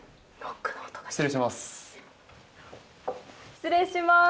失礼します。